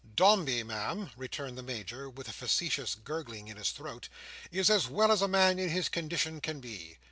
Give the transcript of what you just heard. "Dombey, Ma'am," returned the Major, with a facetious gurgling in his throat, "is as well as a man in his condition can be.